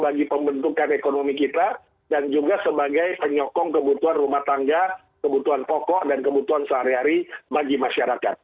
jadi pembentukan ekonomi kita dan juga sebagai penyokong kebutuhan rumah tangga kebutuhan toko dan kebutuhan sehari hari bagi masyarakat